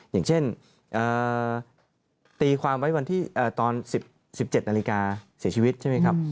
อย่างเช่นตีความไว้วันที่ตอน๑๗นาฬิกาเสียชีวิตใช่ไหมครับ